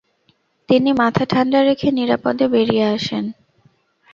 তিনি মাথা ঠান্ডা রেখে নিরাপদে বেড়িয়ে আসেন।